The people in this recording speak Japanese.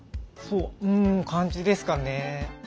うん感じですかね。